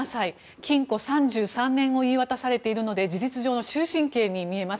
禁錮３３年を言い渡されているので事実上、終身刑に見えます。